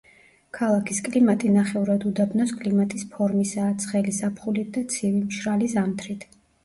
ქალაქის კლიმატი ნახევრადუდაბნოს კლიმატის ფორმისაა, ცხელი ზაფხულით და ცივი, მშრალი ზამთრით.